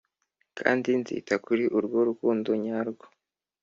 kandi nzita kuri urwo rukundo nyarwo,